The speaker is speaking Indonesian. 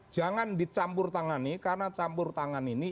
jadi campur tangan ini